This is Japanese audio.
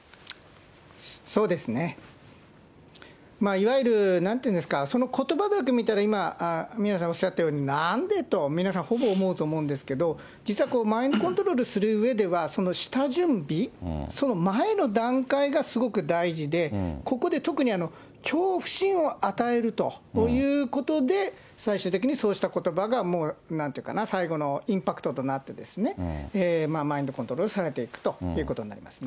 そうですね。いわゆる、なんて言うんですか、そのことばだけ見たら、今、宮根さんがおっしゃったようになんでと、皆さんほぼ思うと思うんですけど、実はこうマインドコントロールするうえでは、その下準備、その前の段階がすごく大事で、ここで特に恐怖心を与えるということで、最終的にそうしたことばが、なんていうかな、最後のインパクトとなって、マインドコントロールされていくということになりますね。